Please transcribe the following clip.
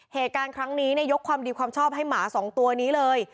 เหตุการณ์ครั้งนี้ยกความดีความชอบให้หมา๒ตัวนี้เลย